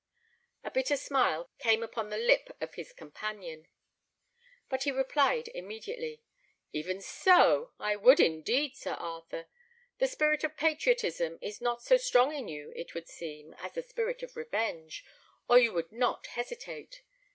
A bitter smile came upon the lip of his companion; but he replied immediately, "Even so! I would, indeed, Sir Arthur. The spirit of patriotism is not so strong in you, it would seem, as the spirit of revenge, or you would not hesitate.